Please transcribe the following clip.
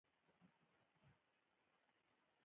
هلک رښتینی ملګری دی.